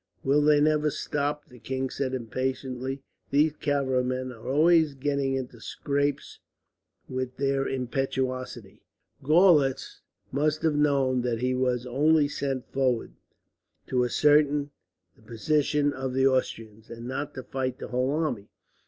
"Will they never stop?" the king said impatiently. "These cavalry men are always getting into scrapes with their impetuosity. Gorlitz must have known that he was only sent forward to ascertain the position of the Austrians, and not to fight their whole army.